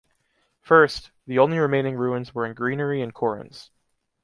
First, the only remaining ruins were in greenery and corons.